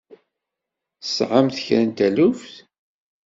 Tesɛamt kra n taluft?